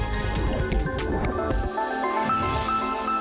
โปรดติดตามตอนต่อไป